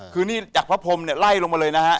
คือนี่จากพระพรมเนี่ยไล่ลงมาเลยนะฮะ